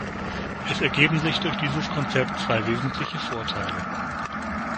Es ergeben sich durch dieses Konzept zwei wesentliche Vorteile.